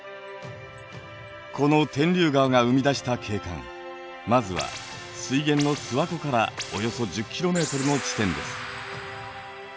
この天竜川が生み出した景観まずは水源の諏訪湖からおよそ１０ｋｍの地点です。